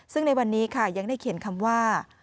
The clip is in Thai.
ซึ่งในวันนี้ค่ะยังได้เขียนคำว่า